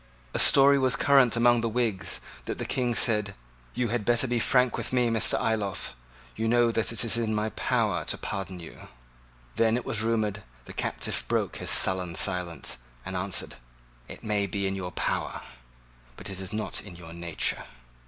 A story was current among the Whigs that the King said, "You had better be frank with me, Mr. Ayloffe. You know that it is in my power to pardon you." Then, it was rumoured, the captive broke his sullen silence, and answered, "It may be in your power; but it is not in your nature."